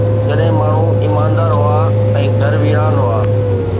جڏهن ماڻهو ايماندار هئا ۽ گهر ويران هئا